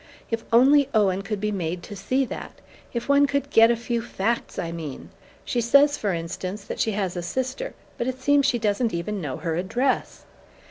If only Owen could be made to see that if one could get at a few facts, I mean. She says, for instance, that she has a sister; but it seems she doesn't even know her address!"